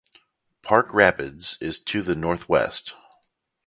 Park Rapids is to the northwest.